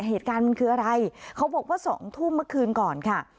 เหตุการณ์มันคืออะไรเขาบอกว่า๒ทุ่มเมื่อคืนก่อนค่ะ